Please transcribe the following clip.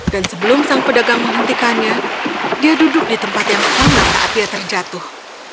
dan sebelum sang pedagang menghentikannya dia duduk di tempat yang lama saat dia terjatuh